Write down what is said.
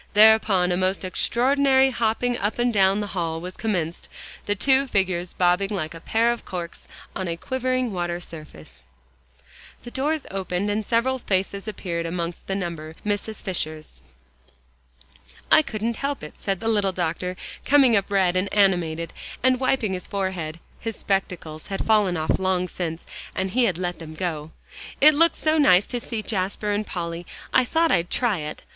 Thereupon a most extraordinary hopping up and down the hall was commenced, the two figures bobbing like a pair of corks on a quivering water surface. The doors opened, and several faces appeared, amongst the number Mrs. Fisher's. "I couldn't help it," said the little doctor, coming up red and animated, and wiping his forehead. His spectacles had fallen off long since, and he had let them go. "It looked so nice to see Jasper and Polly, I thought I'd try it.